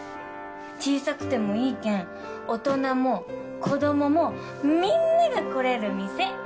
小さくてもいいけん大人も子供もみんなが来れる店。